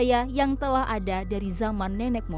iya yang sangat terkenal